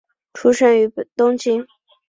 出生于东京。